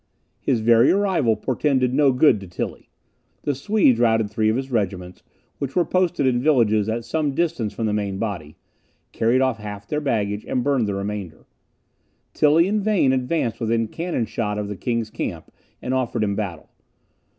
His very arrival portended no good to Tilly. The Swedes routed three of his regiments, which were posted in villages at some distance from the main body, carried off half their baggage, and burned the remainder. Tilly in vain advanced within cannon shot of the king's camp, and offered him battle.